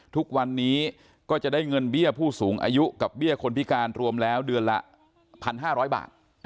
ทุกวันนี้ก็จะได้เงินเบี้ยผู้สูงอายุกับเบี้ยคนพิการรวมแล้วเดือนละ๑๕๐๐บาท